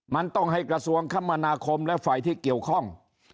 มันต้องให้กระทรวงคมนาคมและฝ่ายที่เกี่ยวข้อง